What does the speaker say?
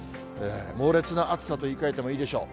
猛烈な暑さと言いかえてもいいでしょう。